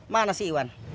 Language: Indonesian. mana sih iwan